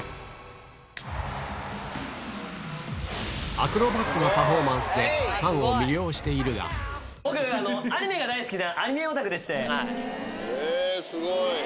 アクロバットなパフォーマンスでファンを魅了しているが僕アニメが大好きな。